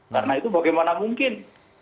karena itu bagaimana mungkin